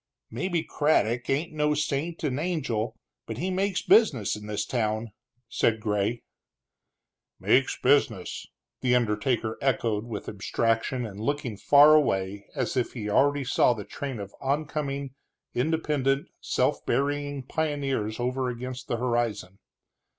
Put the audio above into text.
"Maybe Craddock ain't no saint and angel, but he makes business in this town," said Gray. "Makes business!" the undertaker echoed, with abstraction and looking far away as if he already saw the train of oncoming, independent, self burying pioneers over against the horizon.